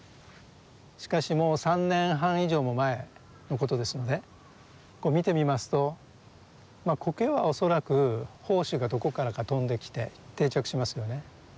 しかしもう３年半以上も前のことですので見てみますとまあコケは恐らく胞子がどこからか飛んできて定着しますよね。